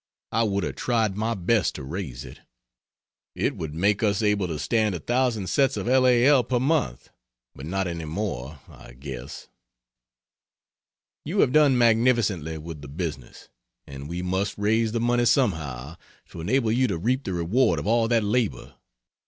I would have tried my best to raise it. It would make us able to stand 1,000 sets of L. A. L. per month, but not any more, I guess. You have done magnificently with the business, and we must raise the money somehow, to enable you to reap the reward of all that labor.